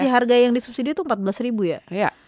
harga yang disubsidi itu rp empat belas ribu ya